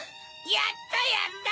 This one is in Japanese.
やったやった！